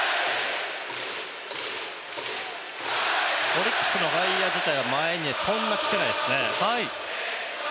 オリックスの外野自体は前にそんなに来ていないですね。